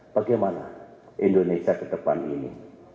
bagaimana indonesia kedepan ini